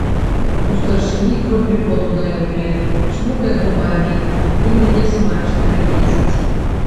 У старшыні кроплі поту на ілбе, чмокае губамі, нібы нясмачнае есць.